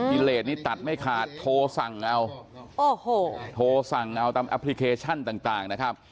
อิเลสนี่ตัดไม่ขาดโทรสั่งเอาโอ้โหโทรสั่งเอาตามแอปพลิเคชันต่างนะครับ